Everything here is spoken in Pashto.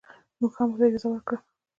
موږ هم ورته اجازه ورکړه.